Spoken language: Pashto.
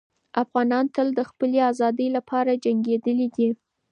افغانان تل د خپلې ازادۍ لپاره جنګېدلي دي.